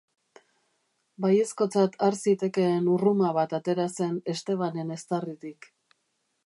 Baiezkotzat har zitekeen urruma bat atera zen Estebanen eztarritik.